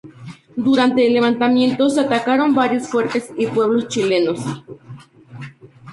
Durante el levantamiento se atacaron varios fuertes y pueblos chilenos.